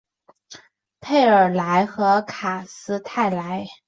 佩尔莱和卡斯泰莱。